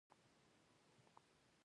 د کرکټ بورډ خپل نوی ودانۍ لري.